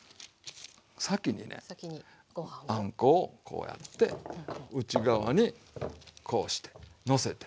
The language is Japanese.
先にねあんこをこうやって内側にこうしてのせて。